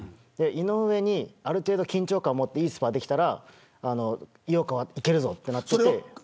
井上にある程度、緊張感を持っていいスパーできたら井岡はいけるぞっていって。